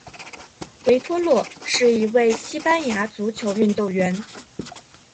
维托洛是一位西班牙足球运动员。